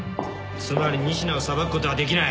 つまり仁科を裁くことはできない。